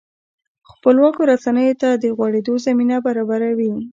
خپلواکو رسنیو ته د غوړېدو زمینه برابروي.